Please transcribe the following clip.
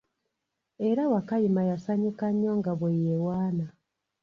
Era Wakayima yasanyuka nnyo nga bwe yewaana.